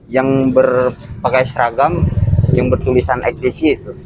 yang berpakaian seragam yang bertulisan xtc